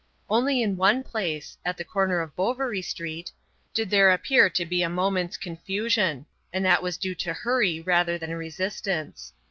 Only in one place at the corner of Bouverie Street did there appear to be a moment's confusion, and that was due to hurry rather than resistance.